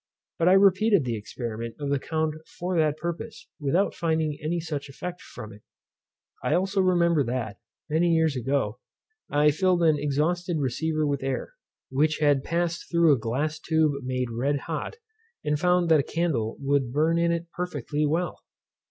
But I repeated the experiment of the Count for that purpose, without finding any such effect from it. I also remember that, many years ago, I filled an exhausted receiver with air, which had passed through a glass tube made red hot, and found that a candle would burn in it perfectly well.